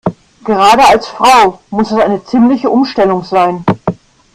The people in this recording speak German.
Gerade als Frau muss das eine ziemliche Umstellung sein.